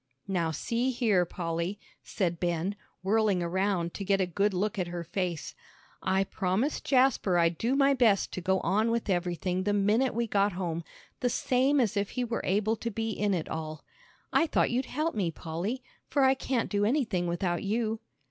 "Now see here, Polly," said Ben, whirling around to get a good look at her face, "I promised Jasper I'd do my best to go on with everything the minute we got home, the same as if he were able to be in it all. I thought you'd help me, Polly, for I can't do anything without you."